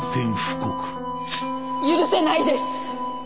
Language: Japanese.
許せないです！